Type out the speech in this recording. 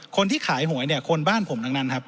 คนที่ขายหวยเนี่ยคนบ้านผมทั้งนั้นครับ